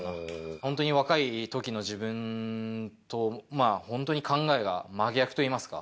本当に若いときの自分と、本当に考えが真逆といいますか。